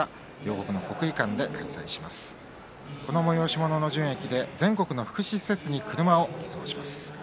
この催し物の純益で全国の福祉施設に車を寄贈します。